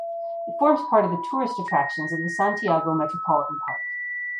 It forms part of the tourist attractions of the Santiago Metropolitan Park.